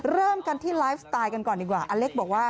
เริ่มกันที่ไลฟ์สไตล์กันก่อนดีกว่าอเล็กบอกว่า